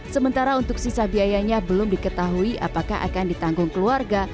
sementara untuk sisa biayanya belum diketahui apakah akan ditanggung keluarga